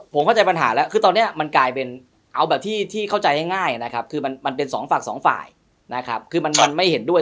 ผมเข้าใจปัญหาแล้วคือตอนเนี้ยก็จะเป็นเอาแบบที่เข้าใจง่ายซ่อมแผดด้วย